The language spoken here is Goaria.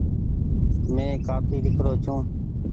مينٚ ڪآپي لکرو ڇو